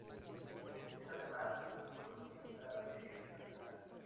Es además, columnista de El Nacional.